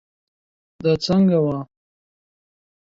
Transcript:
دا څنګه وه